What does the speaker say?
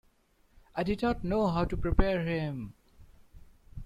I did not know how to prepare him..